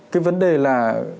cái vấn đề là